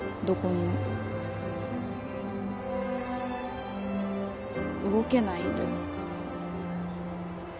どこにも動けないんだよ